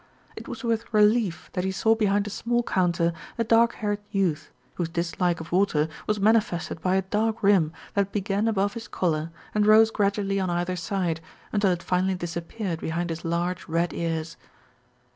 It was with relief that he saw behind a small counter a dark haired youth, whose dislike of water was mani fested by a dark rim that began above his collar and rose gradually on either side, until it finally disappeared behind his large red ears.